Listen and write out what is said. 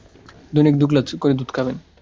দৈনিক দুগ্লাস করে দুধ খাবেন।